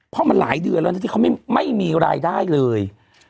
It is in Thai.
เพราะมันหลายเดือนแล้วนะที่เขาไม่มีรายได้เลย